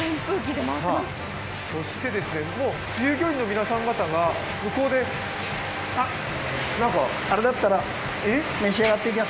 そしてですね、従業員の皆さん方が向こうであれだったら召し上がって。